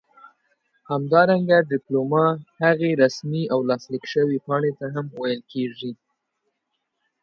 همدارنګه ډيپلوما هغې رسمي او لاسليک شوي پاڼې ته هم ويل کيږي